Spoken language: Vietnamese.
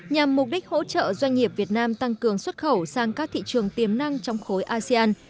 nhằm mục đích hỗ trợ doanh nghiệp việt nam tăng cường xuất khẩu sang các thị trường tiềm năng trong khối asean